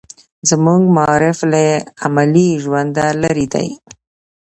زموږ معارف له عملي ژونده لرې دی.